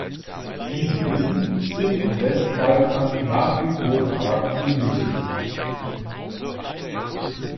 Wie Sie wissen, sind im Westbalkan nach wie vor Fragen ungelöst.